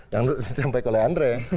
jangan sampai kalau andre